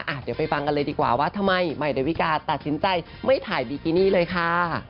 อ่ะเดี๋ยวไปฟังกันเลยดีกว่าว่าทำไมใหม่ดาวิกาตัดสินใจไม่ถ่ายบิกินี่เลยค่ะ